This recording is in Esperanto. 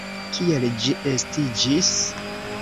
Kiel ĝi estiĝis?